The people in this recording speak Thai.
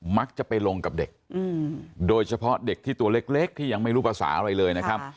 มักจะไปลงกับเด็กโดยเฉพาะเด็กที่ตัวเล็กที่ยังไม่รู้ภาษาอะไรเลยนะครับ